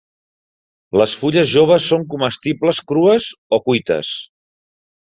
Les fulles joves són comestibles crues o cuites.